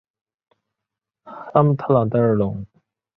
拉莫特朗代尔龙。